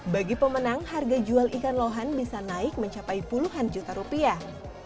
bagi pemenang harga jual ikan lohan bisa naik mencapai puluhan juta rupiah